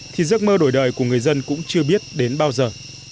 thì giấc mơ đổi đời của người dân cũng chưa biết đến bao giờ